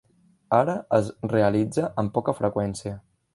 Ara es realitza amb poca freqüència.